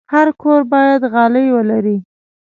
هر کور باید غالۍ ولري.